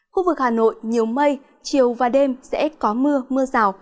khu vực hà nội nhiều mây chiều và đêm sẽ có mưa mưa rào